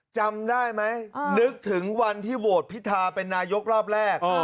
จำได้ไหมนึกถึงวันที่โหวตพิธาเป็นนายกรอบแรก